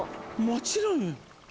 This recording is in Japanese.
もちろんよ。